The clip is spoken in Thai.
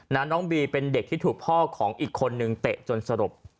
น้องบีเป็นเด็กที่ถูกพ่อของอีกคนนึงเตะจนสลบ